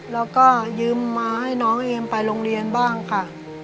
แล้วก็ยืมมาให้น้องเอมไปโรงเรียนบ้างค่ะ